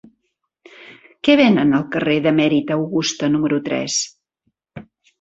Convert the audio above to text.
Què venen al carrer d'Emèrita Augusta número tres?